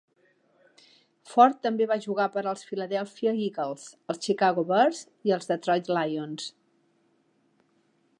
Ford també ja jugar per als Philadelphia Eagles, els Chicago Bears i els Detroit Lions.